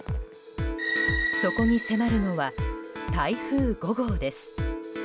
そこに迫るのは台風５号です。